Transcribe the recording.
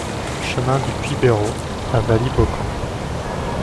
Chemin du Puits Bérault à Wailly-Beaucamp